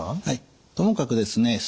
はいともかくですね